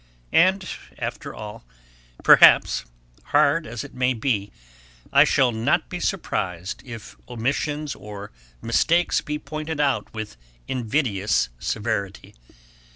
And after all, perhaps, hard as it may be, I shall not be surprized if omissions or mistakes be pointed out with invidious severity.